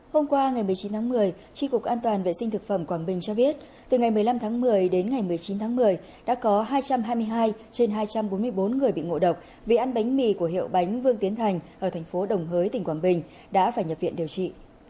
hôm qua ngày một mươi chín tháng một mươi tri cục an toàn vệ sinh thực phẩm quảng bình cho biết từ ngày một mươi năm tháng một mươi đến ngày một mươi chín tháng một mươi đã có hai trăm hai mươi hai trên hai trăm bốn mươi bốn người bị ngộ độc vì ăn bánh mì của hiệu bánh vương tiến thành ở thành phố đồng hới tỉnh quảng bình đã phải nhập viện điều trị